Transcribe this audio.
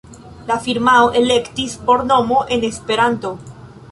La firmao elektis por nomo en Esperanto.